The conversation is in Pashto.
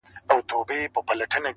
له جهان سره به سیال سيقاسم یاره,